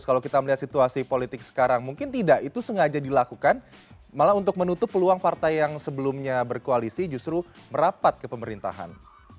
kalau kita melihat situasi politik sekarang mungkin tidak itu sengaja dilakukan malah untuk menutup peluang partai yang sebelumnya berkoalisi justru merapat ke pemerintahan